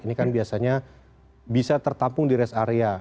ini kan biasanya bisa tertampung di rest area